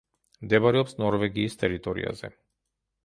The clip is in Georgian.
მდებარეობს ნორვეგიის ტერიტორიაზე.